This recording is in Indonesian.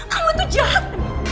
kamu tuh jahat